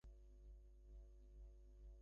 আজ আমি চিরদিনের মতো বিদায় নেব।